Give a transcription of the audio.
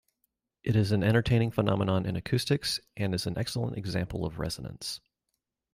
It is an entertaining phenomenon in acoustics and is an excellent example of resonance.